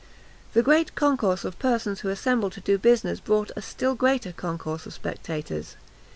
The great concourse of persons who assembled to do business brought a still greater concourse of spectators.